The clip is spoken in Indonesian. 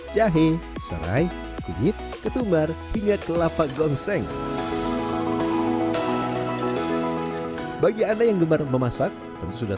jahe serai kunyit ketumbar hingga kelapa gongseng bagi anda yang gemar memasak tentu sudah